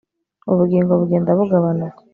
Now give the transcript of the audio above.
Ubugingo bugenda bugabanuka